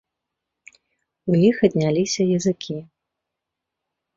У іх адняліся языкі.